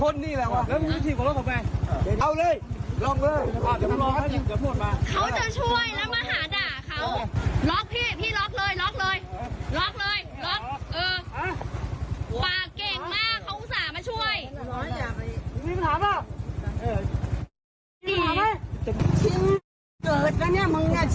นี่ไม่รครวันเลย